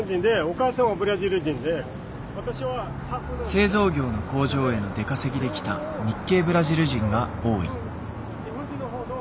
製造業の工場への出稼ぎで来た日系ブラジル人が多い。